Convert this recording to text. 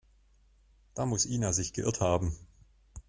Da muss Ina sich geirrt haben.